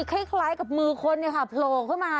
คล้ายกับมือคนโผล่เข้ามา